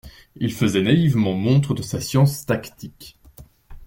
Il faisait naïvement montre de sa science tactique.